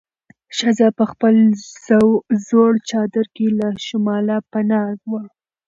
ښځه په خپل زوړ چادر کې له شماله پناه وه.